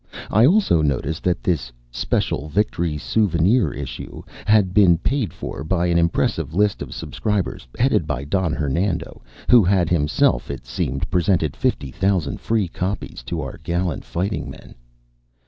I also noticed that this "Special Victory Souvenir Issue" had been paid for by an impres sive list of subscribers, headed by Don Hernando, who had himself, it seemed, presented fifty thousand free copies to our gallant fight ing men.